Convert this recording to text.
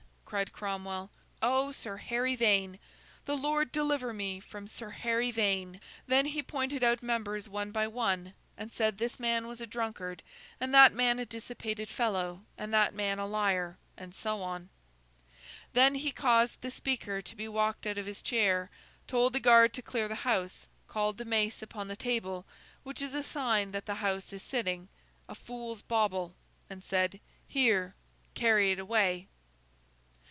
cried Cromwell; 'O, Sir Harry Vane! The Lord deliver me from Sir Harry Vane!' Then he pointed out members one by one, and said this man was a drunkard, and that man a dissipated fellow, and that man a liar, and so on. Then he caused the Speaker to be walked out of his chair, told the guard to clear the House, called the mace upon the table—which is a sign that the House is sitting—'a fool's bauble,' and said, 'here, carry it away!